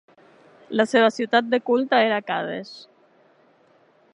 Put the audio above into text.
La seva ciutat de culte era Qadesh.